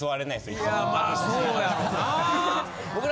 いやまあそうやろな。